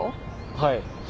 はい。